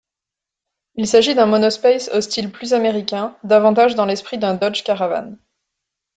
Il s'agit d'un monospace au style plus américain, davantage dans l'esprit d'un Dodge Caravan.